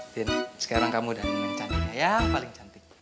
tin sekarang kamu udah mencantik ya paling cantik